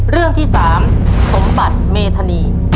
เรื่องที่๓สมบัติเมธานี